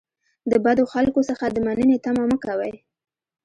د بدو خلکو څخه د مننې تمه مه کوئ.